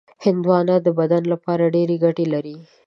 هندوانه د بدن لپاره ډېرې ګټې لري.